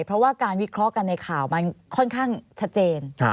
เพราะว่าการวิเคราะห์กันในข่าวมันค่อนข้างชัดเจน